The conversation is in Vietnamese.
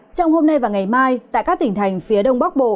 trong hôm nay và ngày mai tại các tỉnh thành phía đông bắc bộ